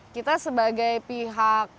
kita sebagai pihak pebisnis kita pengen krui itu rame